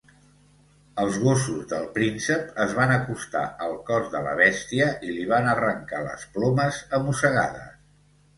Els gossos del príncep es van acostar al cos de la bèstia i li van arrencar les plomes a mossegades.